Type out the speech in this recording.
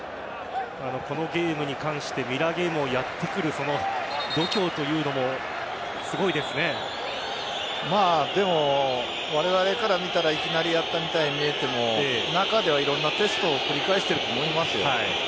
このゲームに関してミラーゲームをやってくる度胸というのもでも、われわれから見たらいきなりやったみたいに見えても中ではいろんなテストを繰り返してると思いますよ。